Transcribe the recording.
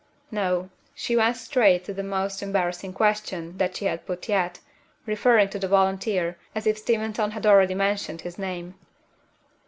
No. She went straight on to the most embarrassing question that she had put yet referring to the volunteer, as if Steventon had already mentioned his name.